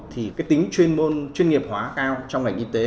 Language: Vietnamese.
thì cái tính chuyên môn chuyên nghiệp hóa cao trong ngành y tế